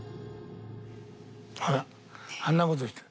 ああんなことしてる。